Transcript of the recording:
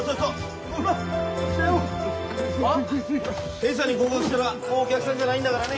検査に合格したらもうお客さんじゃないんだからね。